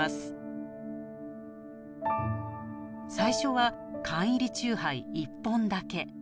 最初は缶入り酎ハイ１本だけ。